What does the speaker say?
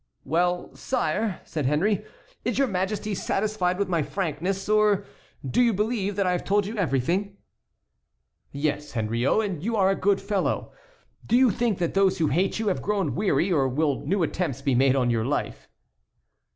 "Well, sire!" said Henry, "is your Majesty satisfied with my frankness, and do you believe that I have told you everything?" "Yes, Henriot, and you are a good fellow. Do you think that those who hate you have grown weary, or will new attempts be made on your life?"